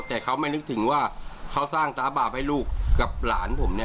แต่เขาไม่นึกถึงว่าเขาสร้างตาบาปให้ลูกกับหลานผมเนี่ย